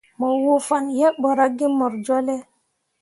Mo woo fan yeɓ ɓo ra ge mor jolle.